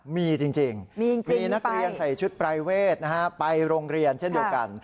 มีจริงมีนักเรียนใส่ชุดปรายเวทไปโรงเรียนเช่นเดียวกัน